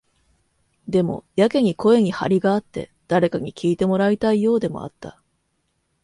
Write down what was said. でも、やけに声に張りがあって、誰かに聞いてもらいたいようでもあった。